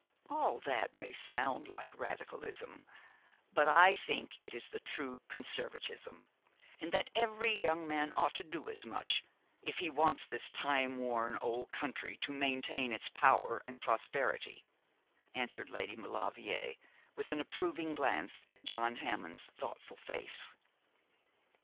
'All that may sound like Radicalism, but I think it is the true Conservatism, and that every young man ought to do as much, if he wants this timeworn old country to maintain its power and prosperity,' answered Lady Maulevrier, with an approving glance at John Hammond's thoughtful face.